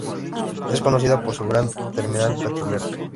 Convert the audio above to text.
Es conocida por su gran terminal petrolero.